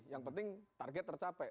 yang penting target tercapai